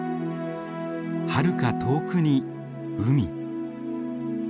はるか遠くに海。